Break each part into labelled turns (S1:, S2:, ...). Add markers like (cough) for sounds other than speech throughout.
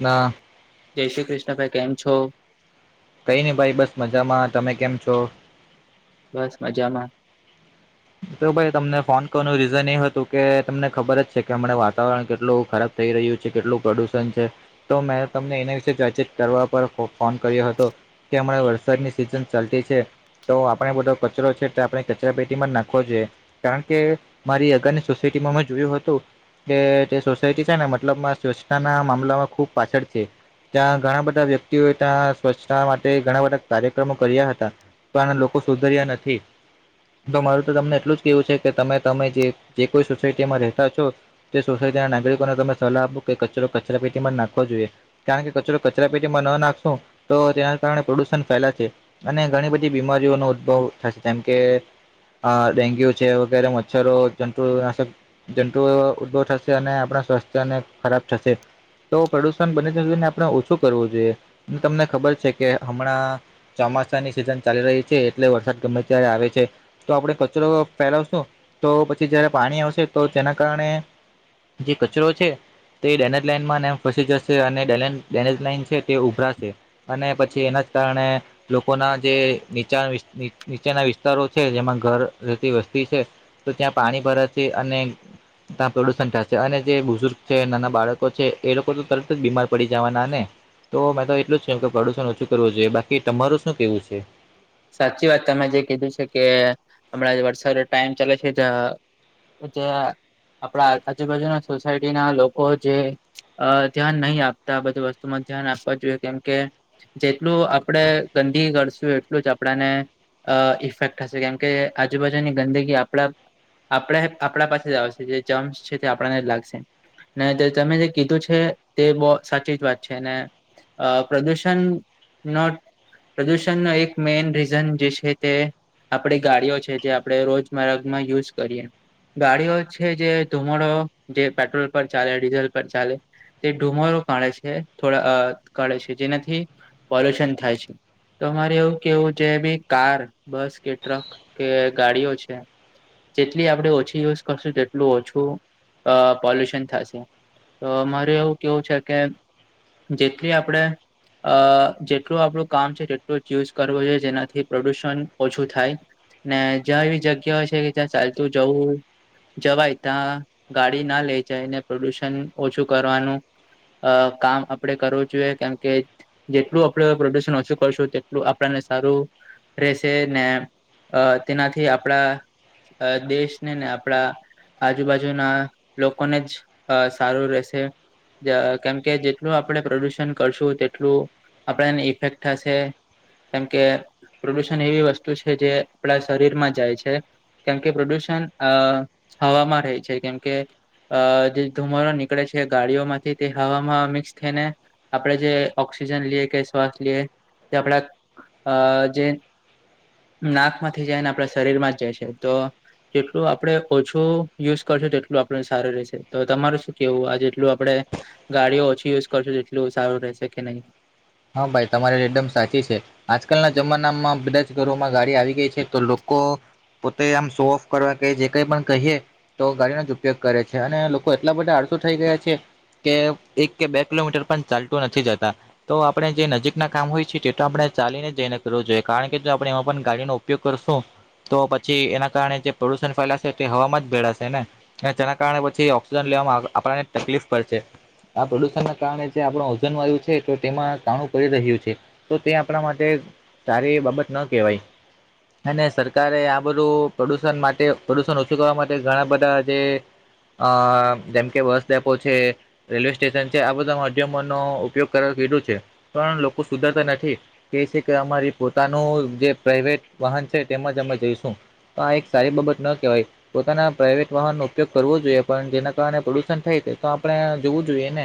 S1: ના
S2: જય શ્રી કૃષ્ણ ભાઈ કેમ છો?
S1: કઈ નહી ભાઈ બસ મજામાં તમે કેમ છો?
S2: બસ મજામાં
S1: તો ભાઈ તમને ફોન કરવાનું રીઝન એ હતું કે તમને ખબર જ છે કે હમણા વાતાવરણ કેટલું ખરાબ. થઈ રહ્યું છે કેટલું પ્રદુષણ છે. તો મેં તમને એના વિશે વાતચીત કરવા પર ફોન કર્યો હતો. કે હમણાં વરસાદની સિઝન ચાલતી છે તો આપણે બધો કચરો છે તે આપણે કચરા પેટીમાં જ નાખ કારણ કે મારી અગની સોસાયટીમાં મે જોયું હતું. એ તે સોસાયટી છે ને મતલબમાં સ્વચ્છતાના મામલામાં ખુબ પાછળ છે. ત્યાં ઘણા બધા વ્યક્તિઓએ ત્યાં સ્વચ્છતા માટે ઘણા બધા કાર્યક્રમો કર્યા હતા. તો આના લોકો સુધર્યા નથી તો મારું. તમને એટલું જ કેવું છે કે તમે તમે જે જે કોઈ સોસાયટીમાં રહેતા છો. તે સોસાયટી ના નાગરિકોને તમે સલાહ આપો કે કચરો કચરા પેટીમાં જ નાખવો જોઈએ. કારણ કે કચરો કચરા પેટીમાં ન નાખશું તો તેના કારણે પ્રદુષણ ફેલા છે. અને ઘણી બધી બીમારીઓનો ઉદભવ થશે જેમ કે અ ડેન્ગ્યુ છે વગેરે મચ્છરો જુન્તુ (unintelligible) જંતુઓ એ ઉદભો થશે અને આપણા સ્વાસ્થ્યને ખરાબ થશે. તો પ્રદુષણ બને જને આપણે ઓછું કરવું જોઈએ અને તમને ખબર છે કે હમણાં ચોમાસાની સિઝન ચાલી રહી છે એટલે વરસાદ ગમે ત્યારે આવે છે. તો આપણે કચરો ફેલાવશું તો પછી જયારે પાણી આવશે તો તેના કારણે. જે કચરો છે તે ડેનેજ લાઈનમાં ફસી જશે અને ડેનેજ લાઈન છે. તે ઉભરાશે અને પછી એના જ કારણે લોકો ના જે નીચા નીચેના વિસ્તારો. છે જેમાં ઘર રહેતી વસ્તી છે તો ત્યાં પાણી ભરા છે અને ત્યાં પ્રદુષણ થશે અને જે બુઝુર્ગ છે નાના બાળકો છે એ લોકો તો તરત જ બીમાર પડી જવાના ને તો મેં તો એટલું જ કેમ કે પ્રદુશન ઓછું કરવું જોઈએ બાકી તમારું શું કેવું છે.
S2: સાચી વાત તમે જે કીધું છે કે હમણાં વરસાદ ટાઈમ ચાલે છે. કે જેયાં આપણા આજુબાજુના સોસાયટી ના લોકો જે અ ધ્યાન નહી આપતા આ બધી વસ્તુમાં ધ્યાન આપવા જોઈએ કેમ કે જેટલું આપડે ગંદી કરશું. એટલું જ આપણાને અ ઇફેક્ટ થશે કેમ કે આજુબાજુની ગંદગી આપણા. આપણે આપણા પાસે જ આવશે જે જમસ છે તે આપણને જ લાગશે. ને તે તમે જે કીધું છે તે બહ સાચી જ વાત છે ને અ પ્રદૂષણ ન પ્રદૂષણનો એક મેન રીઝન જે છે તે આપડી ગાડીઓ છે જે આપણે રોજમારમાં યુઝ કરીએ. ગાડીઓ છે જે ધુમડો જે પેટ્રોલ પર ચાલે ડીઝલ પર ચાલે. તે ધુમરો કાઢે છે થોડા કાઢે છે જેનાથી પોલ્યુશન થાય છે. તમારે એવું કેવું છે ભી કાર બસ કે ટ્રક કે ગાડીઓ છે. જેટલી આપણે ઓછી યુઝ કરશું તેટલું ઓછું પોલ્યુશન થશે. તો મારે એવું કેવું છે કે જેટલી આપડે અ જેટલું આપડું કામ છે તેટલું ચયુઝ કરવો જોઈએ જેનાથી પ્રદુષણ ઓછું થાય. ને જ્યાં એવી જગ્યાઓ છે કે જ્યાં ચાલતું જવું. જવાય ત્યાં ગાડી ના લઈ જાય ને પ્રદુષણ ઓછું કરવાનું. અ કામ આપડે કરવું જોઈએ કેમ કે જેટલું આપડે પ્રોડક્શન ઓછું કરશું તેટલું. આપને સારું રહેેશે ને તેનાથી આપણા. અ દેશ ને ને આપડા. આજુબાજુના લોકોને જ સારું રહેશે. કેમકે જેટલું આપણે પ્રદુષણ કરશું તેટલું આપણેને ઇફેક્ટ થશે. કેમ કે પ્રદુષણ એવી વસ્તુ છે જે આપણા શરીર માં જાય છે. કેમકે પ્રદૂષણ અ હવામાં રહે છે કેમકે. અ જે ધુમરો નીકળે છે ગાડીઓમાંથી તે હવામાં મિક્સ થઈને. આપણે જે ઓક્સિજન લઈએ કે શ્વાસ લઈએ તે આપણા અ જે. નાક માંથી જાય ને આપણા શરીર માં જ જાય છે તો જેટલું આપણે ઓછું યુઝ કરશો તેટલું આપડ સારું રહેશે તો તમારે શું કેવું આ જેટલું આપણે ગાડીઓ ઓછી યુઝ કરશો જેટલું સારું રહેશે કે નહીં.
S1: હા ભાઈ તમારે એકદમ સાચી છે. આજકાલના જમાનામાં બધા જ ઘરોમાં ગાડી આવી ગઈ છે તો લોકો. પોતે આમ શો ઓફ કરવા કે જે કઈ પણ કહીએ્ તો ગાડીનો જ ઉપયોગ કરે છે અને લોકો એટલા બધા આડસુ થઈ ગયા છે. કે એક કે બે કિલોમીટર પણ ચાલતું નથી જતા. તો આપણે જે નજીકના કામ હોય છેએ તે તો આપણે ચાલીને જઈને કરવું જોઈએ કારણ કે જો આપણે એમાં પણ ગાડીનો ઉપયોગ કરશું. તો પછી એના કારણે જે પ્રદુષણ ફેલાશે તે હવામાં જ ભેળાશે ને. અને તેના કારણે પછી ઓક્સિજન લેવામાં આપણને તકલીફ પડશે. આ પ્રદુષણ ના કારણે જે આપણ ઓજન વાયુ છે તેમાં કાણું કરી રહ્યું છે તો તે આપણા માટે તારી એ બાબત ન કહેવાય. અને સરકારે આ બધું પ્રદુષણ માટે પ્રદુષણ ઓછું કરવા માટે ઘણા બધા જે અ જેમ કે બસ ડેપો છે રેલવે સ્ટેશન છે આ બધા માધ્યમો નો ઉપયોગ કરવા કીધું છે પણ લોકો સુધરતા નથી. કે છે કે અમારી પોતાનું જે પ્રાઈવેટ વાહન છે તેમાંજ અમે જઈશું. તો એક સારી બાબત ના કહેવાય. પોતાના પ્રાઇવેટ વાહનનો ઉપયોગ કરવો જોઈએ પણ જેના કારણે પ્રદુષણ થાય તો આપણે જોવું જોઈએ ને.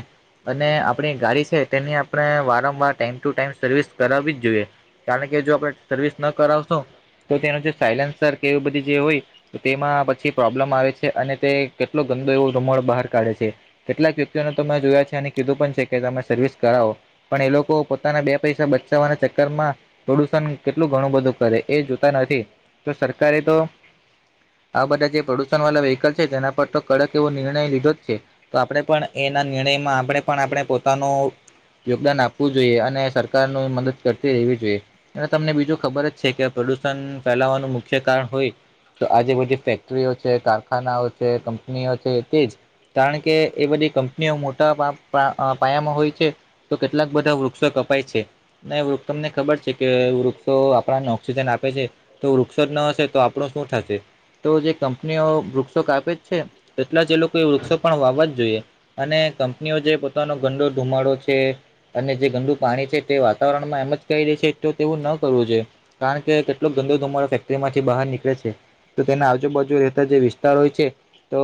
S1: અને આપણી ગાડી છે તેની આપણે વારંવાર ટાઈમ ટુ ટાઈમ સર્વિસ કરાવવી જ જોઈએ. કારણ કે જો આપણે સર્વિસ ન કરાવશું તો તેનું જે સાયલેન્સર કે એ બધી જે હોય તેમાં પછી પ્રોબ્લેમ આવે છે અને તે કેટલો ગંદો એવો રૂમણ બહાર કાઢે છે. કેટલાક વ્યક્તિઓને તો તમે જોયા છે અને કીધું પણ છે કે તમે સર્વિસ કરાવો પણ એ લોકો પોતાના બે પૈસા બચાવવાના ચક્કર માં. પ્રદુષણ કેટલું ઘણું બધું કરે એ જોતા નથી તો સરકારે તો આ બધા જે પ્રદુષણ વાળા વ્હીકલ છે તેના પર તો કડક એવો નિર્ણય લીધો જ છે. તો આપણે પણ એના નિર્ણયમાં આપણે પણ આપણે પોતાનું યોગદાન આપવું જોઈએ અને સરકાર ન મદદ કરતી રહેવી જોઈએ. અને તમને બીજું ખબર જ છે કે પ્રદુષણ ફેલાવાનું મુખ્ય કારણ હોય તો આજે બધી ફેક્ટરીઓ છે કારખાનાઓ છે કંપનીઓ છે તે જ. કારણ કે એ બધી કંપનીઓ મોટા પા પાયામાં હોય છે. તો કેટલાક બધા વૃક્ષો કપાય છે. નહી વૃક્ષ તમને ખબર છે કે વૃક્ષો આપણને ઓક્સિજન આપે છે. તો વૃક્ષો ના હશે તો આપણો શું થશે. તો જે કંપનીઓ વૃક્ષો કાપે જ છે એટલા જ એ લોકો એ વૃક્ષો પણ વાવવા જ જોઈએ. અને કંપનીઓ જે પોતાનો ગંદો ધુમાડો છે. અને જે ગંદુ પાણી છે તે વાતાવરણમાં એમ જ કરી દે છે તો તેવું ન કરવું જોઈએ. કારણ કેટલોક ધંધોમારો ફેક્ટરી માંથી બહાર નીકળે છે. તો તેના આજુબાજુ રહેતા જે વિસ્તાર હોય છે તો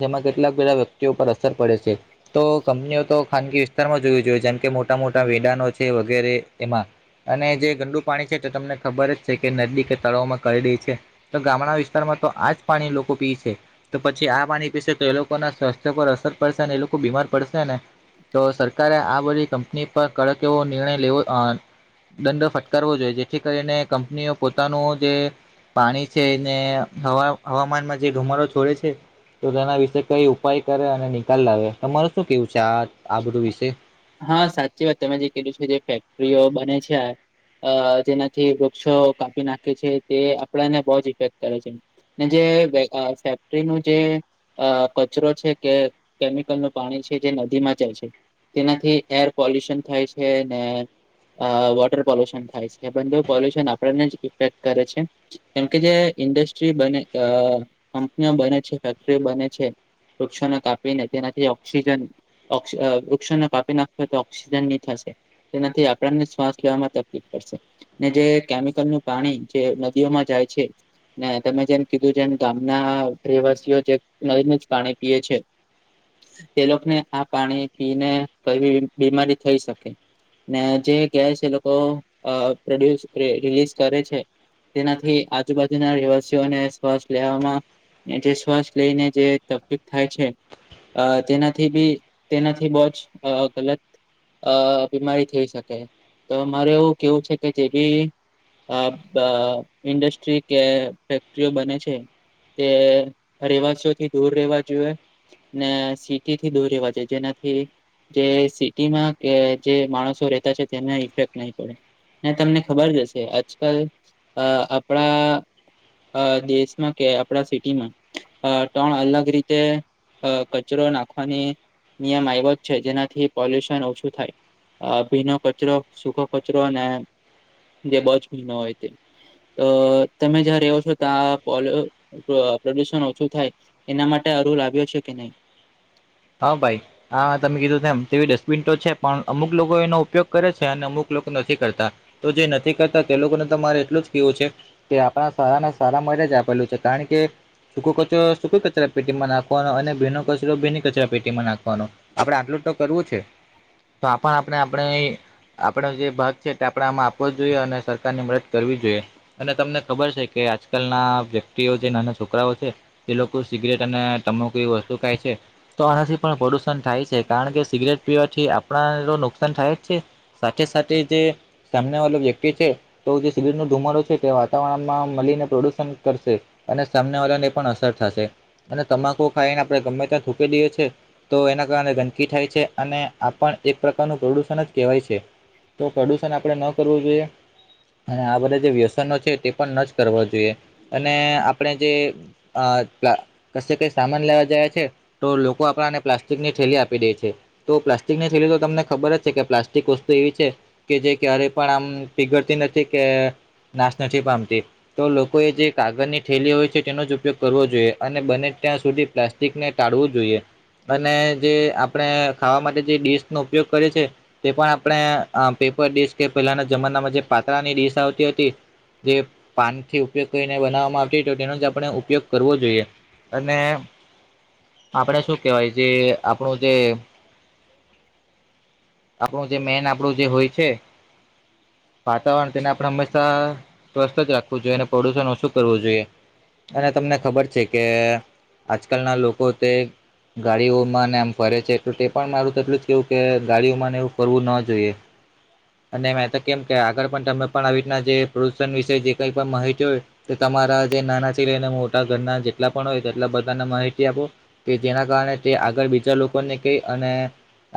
S1: જેમાં કેટલાક બધા વ્યક્તિઓ પર અસર પડે છે તો કંપનીઓ તો ખાનગી વિસ્તારમાં જોું જોઈએ જેમ કે મોટા મોટા મેેદાનો છે વગેરે એમાં. અને જે ગંડુ પાણી છે તે તમને ખબર જ છે કે નદી કે તળાવમાં કરી રે છે. તો ગામડા વિસ્તારમાં તો આજ પાણી લોકો પી છે. તો પછી આ પાણી પીસે તો એ લોકો ના સ્વાસ્થ્ય પર અસર પડશે ને એ લોકો બીમાર પડશે ને. તો સરકારે આ બધી કંપની પર કડક એવો નિર્ણય લેવો દંડ ફટકારવો જોઈએ જેથી કરીને કંપનીઓ પોતાનું જે પાણી છે ને હવા હવામાનમાં જે ગમાડ છોડે છે. તો તેના વિશે કઈ ઉપાય કરે અને નિકાલ લાવે તમાર શું કેવું છે આ આ બધું વિશે?
S2: હા સાચી વાત તમે જે કીધું છે જે ફેક્ટરીઓ બને છે. અ જેનાથી વૃક્ષો કાપી નાખે છે તે આપણાને બહ જ ઇફેક્ટ કરે છે. ને જે ફેક્ટરીનું જે આ કચરો છે કે, કેમિકલ નું પાણી છે કે નદીમાં જાય છે. તેનાથી એર પોલ્યુશન થાય છે ને અ વોટર પોલ્યુશન થાય છે એ બને પોલ્યુશન આપણને જ ઇફેક્ટ કરે છે. કેમ કે જે ઇન્ડસ્ટ્રી બને કંપનીઓ બને છે ફેક્ટરીઓ બને છે. વૃક્ષનો કાપીને તેનાથી ઓક્સિજન વૃક્ષોને કાપી નાખો તો ઓક્સિજન ની થશે. તેનાથી આપણને શ્વાસ લેવામાં તકલીફ પડશે. ને જે કેમિકલ નું પાણી જે નદીઓમાં જાય છે. ના તમે જેમ કીધું છેમ ગામના પ્રવાસીઓ જે નદીને જ પાણી પીએ છે.
S1: (inaudible)
S2: એ લોકને આ પાણી પીને કઈ બીમારી થઈ શકે. ને જે ગેસ એ લોકો અ પ્રોડ્યુસ, રિલીઝ કરે છે. તેનાથી આજુબાજુના રહેવાસીઓને શ્વાસ લેવામાં ને જે શ્વાસ લઈને જે તકલીફ થાય છે તેનાથી બી તેનાથી બો જ અ ગલત અ બીમારી થઈ શકે તો મારે એવું કેવું છે કે જે બી અ બ ઇન્ડસ્ટ્રી કે ફેક્ટરીઓ બને છે તે રેહવાસી ઓ થી દૂર રહેેવા જોઈએ ને સિટી થી દૂર રહેવા જોઈએ. કે જેનાથી જે સિટીમાં કે જે માણસો રેહતા છે તેને ઇફેક્ટ નય પડે. ને તમને ખબર જ હશે. આજકલ અ આપણા અ દેશમાં કે, આપણા સિટીમાં અ ત્રણ અલગ રીતે અ કચરો નાખવાની નિયમ આયવો જ છે જેનાથી પોલ્યુશન ઓછું થાય. અ ભીનો કચરો, સુખો કચરો અને જે બો જ ભીનો હોય તે. તો તમે જ્યાં રહો છો ત્યાં પોલો અ પ્રદુષણ ઓછું થાય એના માટે રૂલ આવ્યો છે કે નય.
S1: હા ભાઈ. હા તમે કીધું તેમ તેવી ડસ્ટબિન તો છે, પણ અમુક લોકો એનો ઉપયોગ કરે છે અને અમુક લોકો નથી કરતા. તો જે નથી કરતા તે લોકોને તો મારે એટલું જ કેવું છે તે આપણા સારા ના સારા માટે જ આપેલું છે કારણ કે સૂકો કચરો સૂકા કચરા પેટીમાં નાખવાનો અને ભીનો કચરો ભીની કચરા પેટીમાં નાખવાનું. આપડે આટલું જ તો કરવું છે. તો પણ આપણે આપણે આપડો જે ભાગ છે તે આપણે આપડા માં આપવો જ જોઈએ અને સરકાર ને મદદ કરવી જોઈએ અને તમને ખબર છે કે આજકાલ ના વ્યક્તિઓ જે નાના છોકરાઓ છે એ લોકો સિગરેટ અને તમાકુ એવી વસ્તુ ખાય છે. તો આનાથી પણ પ્રદુષણ થાય છે કારણ કે સિગરેટ પીવાથી આપણા ને તો નુકસાન થાય જ છે સાથે સાથે જે સામને વાલી વ્યક્તિ છે તો જે સિગરેટ નો ધુમાડો છે તે વાતાવરણમાં મળીને પ્રદુષણ કરશે. અને સામને વાળાને પણ અસર થશે અને તમાકુ ખાઈને આપણે ગમે ત્યાં થૂકી દઈએ છે તો એના કારણે ગંદકી થાય છે અને આ પણ એક પ્રકારનું પ્રદુષણ જ કહેવાય છે. તો પ્રદુષણ આપણે ન કરવું જોઈએ. અને આ બધા જે વ્યસનો છે તે પણ ન જ કરવા જોઈએ અને આપણે જે અ જ લા કશે કઈ સામાન લેવા જાયે છે તો લોકો આપણાને પ્લાસ્ટિક ની થેલી આપી દે છે. તો પ્લાસ્ટિકની થેલી તો તમને ખબર જ છે કે પ્લાસ્ટિક વસ્તુ એવી છે કે જે ક્યારેય પણ આમ પીગળતી નથી, કે નાશ નથી પામતી. તો લોકોએ જે કાગળની થેલી હોય છે તેનો જ ઉપયોગ કરવો જોઈએ અને બને ત્યાં સુધી પ્લાસ્ટિકને ટાળવું જોઈએ અને જે આપણે ખાવા માટે જે ડીશ નો ઉપયોગ કરીએ છે તે પણ આપણે પેપર ડીશ કે પેલાના જમાનામાં જે પાત્રળાની ડીશ આવતી હતી જે પાનથી ઉપયોગ કરીને બનાવવામાં આવતી તો તેનો જ આપણે ઉપયોગ કરવો જોઈએ. અને આપણે શું કેહવાય જે આપણું જે આપણું જે મેન આપણું જે હોય છે વાતાવરણ તેને આપણે હંમેશા સવસ્થ જ રાખવું જોઈએ અને પ્રદુષણ ઓછું કરવું જોઈએ. અને તમને ખબર છે કે આજકાલના લોકો તે ગાડીઓમાં ને આમ ફરે છે તો તે પણ મારું તો એટલું જ કેવું કે ગાડીઓમાંને એવું ફરવું ન જોઈએ. અને મે તો કેમ કે આગળ પણ તમે પણ આવી રીતના જે પ્રદુષણ વિશે જે કઈ પણ માહિતી હોય તે તમારા જે નાના (unintelligible) ને મોટા ઘરના જેટલા પણ હોય તેટલા બધાને માહિતી આપો. કે જેના કારણે તે આગળ બીજા લોકોને કહે, અને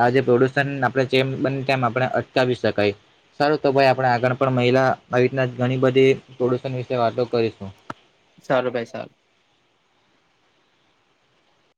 S1: આજે પ્રદુ ષણ આપણે જેમ બન તેમ આપણે અટકાવી શકાય. સારું તો ભાઈ આપણે આગળ પણ મહિલા આવી રીતના ઘણી બધી પ્રદૂષણ વિશે વાતો કરીશું.
S2: સારું ભાઈ ચાલો.